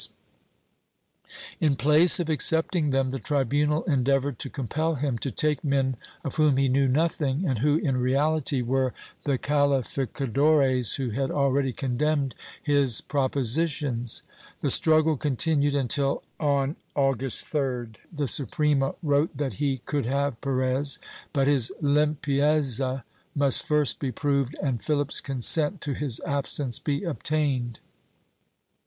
VII] LUIS BE LEON 155 In place of accepting them the tribunal endeavored to compel him to take men of whom he knew nothing and who, in reality, were the calificadores who had already condemned his propositions. The struggle continued until, on August 3d, the Suprema wrote that he could have Perez, but his limpieza must first be proved and Philip's consent to his absence be obtained.